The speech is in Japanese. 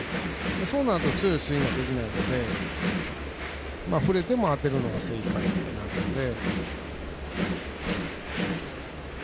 そうなると強いスイングができないので振れても当てるのが精いっぱいとかになるので。